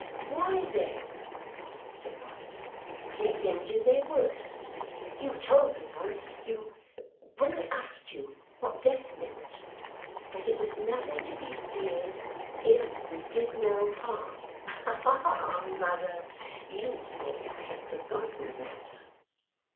'Why then,' said Barnaby, 'let them do their worst. You told me once you when I asked you what death meant, that it was nothing to be feared, if we did no harm Aha! mother, you thought I had forgotten that!